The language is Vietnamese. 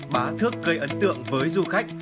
bà thước gây ấn tượng với du khách